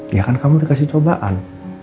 ya kan kamu dikasih cobaan